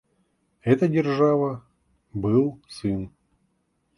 Эта держава — был сын.